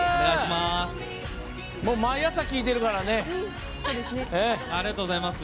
毎朝、聴いてるからね。